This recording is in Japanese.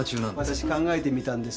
わたし考えてみたんです。